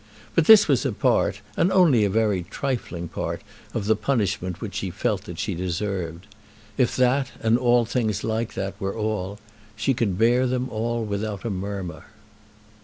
But this was a part, and only a very trifling part, of the punishment which she felt that she deserved. If that, and things like that, were all, she would bear them without a murmur.